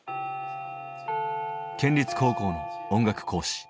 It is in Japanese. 県立高校の音楽講師